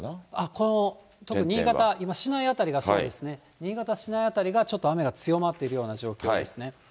この、ちょっと新潟、今、市内辺りがそうですね、新潟市内辺りがちょっと雨が強まっているような状況ですね。